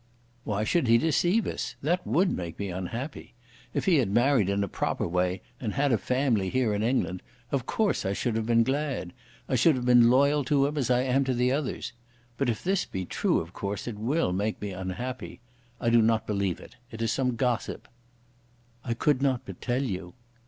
"Why should he deceive us? That would make me unhappy. If he had married in a proper way and had a family, here in England, of course I should have been glad. I should have been loyal to him as I am to the others. But if this be true, of course, it will make me unhappy. I do not believe it. It is some gossip." "I could not but tell you."